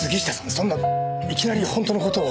そんないきなりホントの事を。